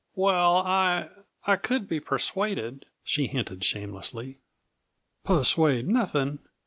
"Well, I I could be persuaded," she hinted shamelessly. "Persuade nothing!